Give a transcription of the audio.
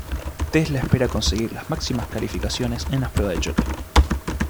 Tesla espera conseguir las máximas calificaciones en las pruebas de choque.